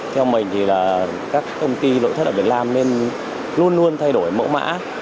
theo mình thì là các công ty nội thất ở việt nam nên luôn luôn thay đổi mẫu mã